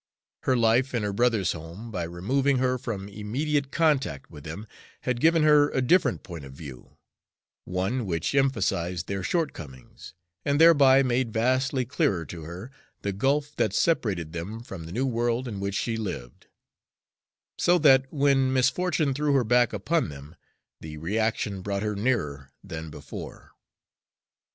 Her life in her brother's home, by removing her from immediate contact with them, had given her a different point of view, one which emphasized their shortcomings, and thereby made vastly clearer to her the gulf that separated them from the new world in which she lived; so that when misfortune threw her back upon them, the reaction brought her nearer than before.